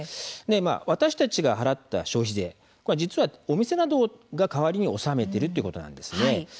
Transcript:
私たちが払った消費税は実は、お店などが代わりに納めているということなんです。